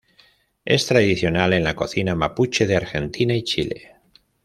Es tradicional en la cocina mapuche de Argentina y Chile.